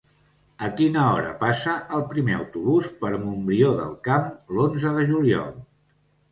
A quina hora passa el primer autobús per Montbrió del Camp l'onze de juliol?